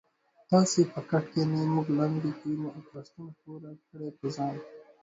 تاسي به کټکی کینې مونږ لاندې کینو او بړستن ښوره کړي په ځان